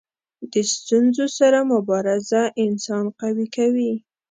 د ستونزو سره مبارزه انسان قوي کوي.